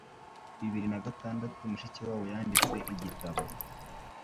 bibiri nagatandatu Mushikiwabo yanditse igitabo